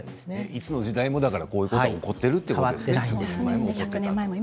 いつの時代もこういうことが起こっているんですね。